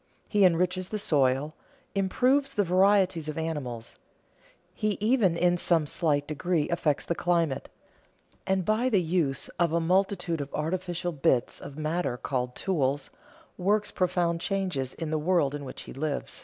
He enriches the soil, improves the varieties of animals, he even in some slight degree affects the climate, and by the use of a multitude of artificial bits of matter called tools, works profound changes in the world in which he lives.